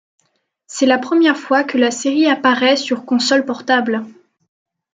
C'est la première fois que la série apparaît sur console portable.